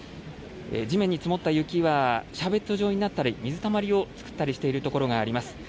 地面に積もった雪はシャーベット状になったり、水たまりを作ったりしている所があります。